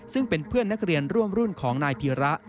ซึ่งเป็นเพื่อนนักเรียนร่วมรุ่นของนายพีระ